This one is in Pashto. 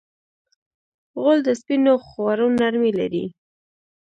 غول د سپینو خوړو نرمي لري.